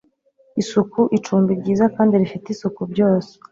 isuku, icumbi ryiza kandi rifite isuku, byose